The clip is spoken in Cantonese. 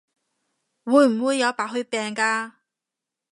會唔會有白血病㗎？